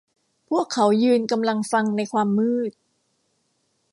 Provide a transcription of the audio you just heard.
พวกเขายืนกำลังฟังในความมืด